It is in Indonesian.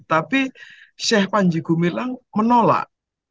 tapi syekh panjigo milang menolak